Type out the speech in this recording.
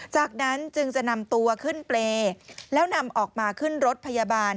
จากนั้นจึงจะนำตัวขึ้นเปรย์แล้วนำออกมาขึ้นรถพยาบาล